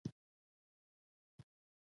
قمار په انسان کې حرص او شوق پیدا کوي.